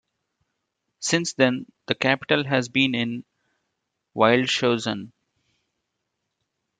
Since then the capital has been in Wildeshausen.